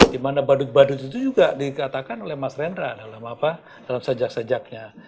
dimana badut badut itu juga dikatakan oleh mas rendra dalam sajak sajaknya